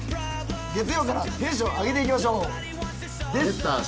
月曜からテンション上げていきましょう。